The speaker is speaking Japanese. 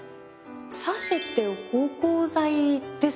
サシェって芳香剤ですよね？